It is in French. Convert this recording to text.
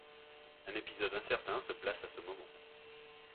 Un épisode incertain se place à ce moment.